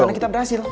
rencana kita berhasil